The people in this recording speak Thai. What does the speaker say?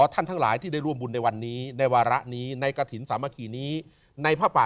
ทั้งหลายที่ได้ร่วมบุญในวันนี้ในวาระนี้ในกระถิ่นสามัคคีนี้ในผ้าป่า